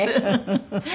フフフフ。